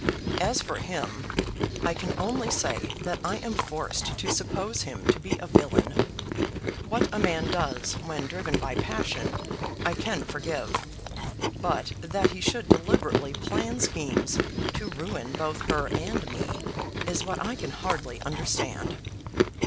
As for him, I can only say, that I am forced to suppose him to be a villain. What a man does when driven by passion, I can forgive; but that he should deliberately plan schemes to ruin both her and me, is what I can hardly understand."